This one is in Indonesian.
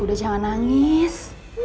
udah jangan nangis